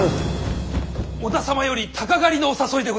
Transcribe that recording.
織田様より鷹狩りのお誘いでございます。